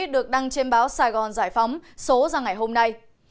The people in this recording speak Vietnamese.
được đăng trên báo sài gòn giải phóng số ra ngày hôm nay